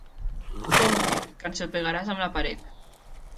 Compte! Que ensopegaràs amb la paret!